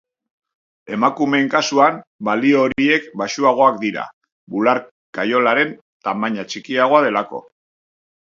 Emakumeen kasuan, balio horiek baxuagoak dira, bular-kaiolaren tamaina txikiagoa delako.